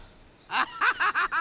アハハハ！